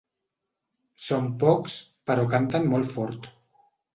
Són pocs però canten molt fort.